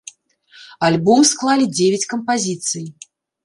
Альбом склалі дзевяць кампазіцый.